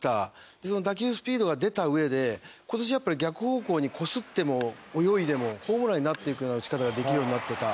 その打球スピードが出た上で今年やっぱり逆方向にこすっても泳いでもホームランになっていくような打ち方ができるようになってた。